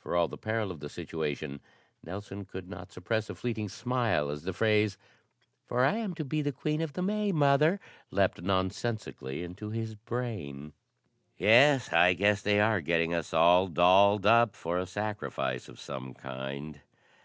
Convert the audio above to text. For all the peril of the situation Nelson could not suppress a fleeting smile as the phrase, "For I'm to be Queen of the May, Mother," leaped nonsensically into his brain. "Yes, I guess they are getting us all dolled up for a sacrifice of some kind."